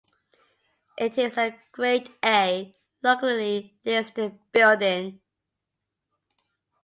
It is a Grade A locally listed building.